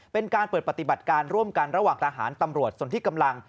เป็นการเปิดปฏิบัติการร่วมกันระหว่างทหารตำรวจส่วนที่กำลัง